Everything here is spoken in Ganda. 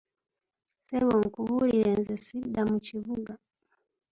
Ssebo nkubuulire nze sidda mu kibuga.